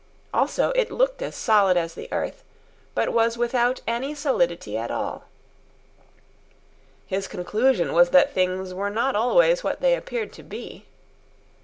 Also, it looked as solid as the earth, but was without any solidity at all. His conclusion was that things were not always what they appeared to be.